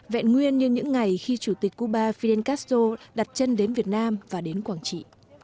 vẹn nguyên như những ngày khi chủ tịch cuba fidel castro đặt chân đến việt nam và đến quảng trị